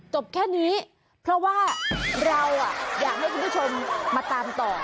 จบแค่นี้เพราะว่าเราอยากให้คุณผู้ชมมาตามต่อ